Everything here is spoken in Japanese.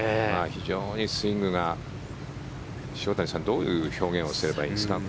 非常にスイングが塩谷さん、どういう表現をすればいいですか？